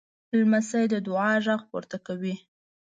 لمسی د دعا غږ پورته کوي.